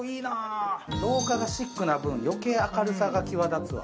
廊下がシックな分、余計明るさが際立つわ。